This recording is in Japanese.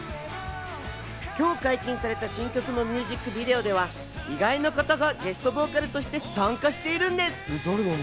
今日解禁された新曲のミュージックビデオでは、意外な方がゲストボーカルとして参加しているんです。